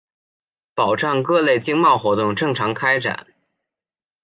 保障各类经贸活动正常开展